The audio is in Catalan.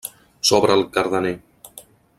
Sobre el Cardener.